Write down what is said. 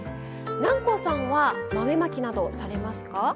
南光さんは豆まきなどされますか？